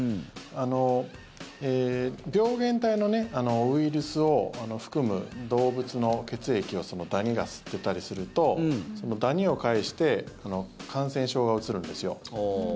病原体のウイルスを含む動物の血液をそのダニが吸ってたりするとそのダニを介して感染症がうつるんですよ。